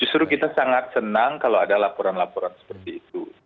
justru kita sangat senang kalau ada laporan laporan seperti itu